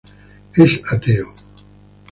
Es ateo.